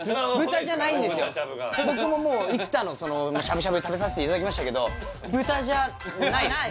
いや僕ももう幾多のしゃぶしゃぶ食べさせていただきましたけど豚じゃないです